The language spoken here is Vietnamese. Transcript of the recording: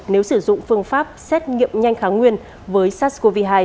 nếu sử dụng phương pháp xét nghiệm nhanh kháng nguyên với sars cov hai